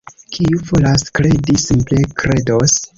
Kiu volas kredi, simple kredos.